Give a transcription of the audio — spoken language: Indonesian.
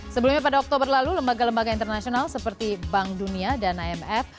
sebelumnya pada oktober lalu lembaga lembaga internasional seperti bank dunia dan imf